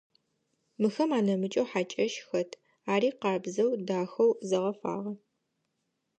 Мыхэм анэмыкӏэу хьакӏэщ хэт, ари къабзэу, дахэу зэгъэфагъэ.